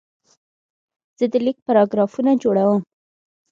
زه د لیک پاراګرافونه جوړوم.